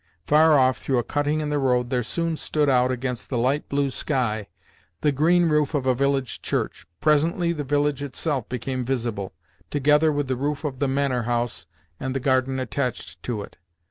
Far off, through a cutting in the road, there soon stood out against the light blue sky, the green roof of a village church. Presently the village itself became visible, together with the roof of the manor house and the garden attached to it.